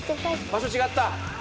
場所違った？